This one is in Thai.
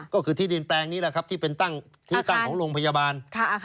ก็คือที่ดินแปลงนี้แหละครับที่เป็นตั้งที่ตั้งของโรงพยาบาล